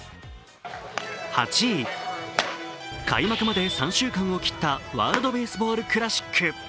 ８位、開幕まで３週間を切ったワールドベースボールクラシック。